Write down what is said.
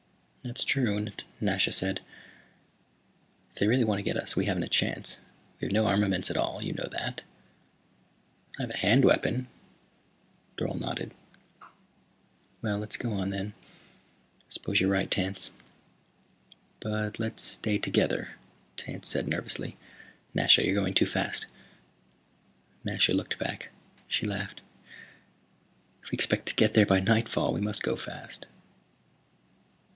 "That's true," Nasha said. "If they really want to get us we haven't a chance. We have no armaments at all; you know that." "I have a hand weapon." Dorle nodded. "Well, let's go on, then. I suppose you're right, Tance." "But let's stay together," Tance said nervously. "Nasha, you're going too fast." Nasha looked back. She laughed. "If we expect to get there by nightfall we must go fast."